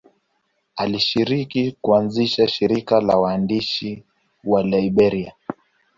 Alishiriki kuanzisha shirika la waandishi wa Liberia.